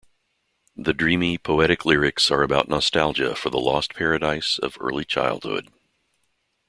The dreamy, poetic lyrics are about nostalgia for the lost paradise of early childhood.